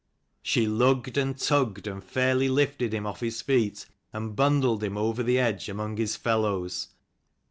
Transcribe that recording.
She lugged and tugged, and fairly lifted him off his feet, and bundled him over the edge among his fellows.